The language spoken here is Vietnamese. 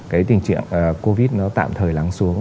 cái tình trạng covid nó tạm thời lắng xuống